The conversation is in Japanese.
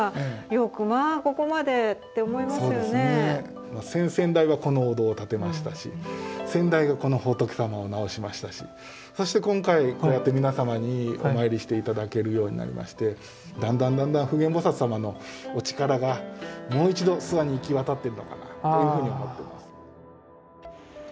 そうですね先々代はこのお堂を建てましたし先代がこの仏様を直しましたしそして今回こうやって皆様にお参りして頂けるようになりましてだんだんだんだん普賢菩様のお力がもう一度諏訪に行き渡っているのかなというふうに思っています。